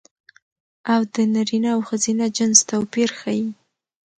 او د نرينه او ښځينه جنس توپير ښيي